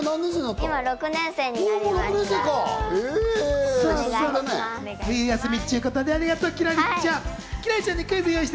今、６年生になりました。